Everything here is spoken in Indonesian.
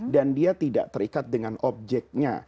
dan dia tidak terikat dengan objeknya